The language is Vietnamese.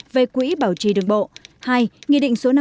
về quỹ bảo trì đường bộ hai nghị định số năm mươi sáu hai nghìn một mươi bốn